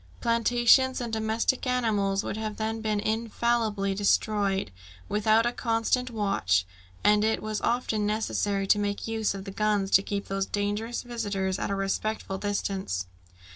Plantations and domestic animals would then have been infallibly destroyed, without a constant watch, and it was often necessary to make use of the guns to keep those dangerous visitors at a respectful distance.